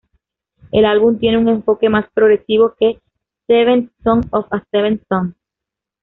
El álbum tiene un enfoque más progresivo que "Seventh Son of a Seventh Son".